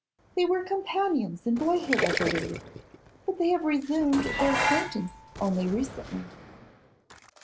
'They were companions in boyhood, I believe; but they have resumed their acquaintance only recently.